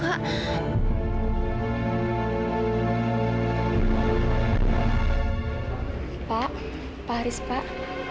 pak pak haris pak